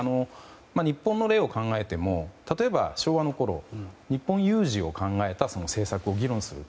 日本の例を考えても例えば、昭和のころ日本有事を考えた政策を議論する。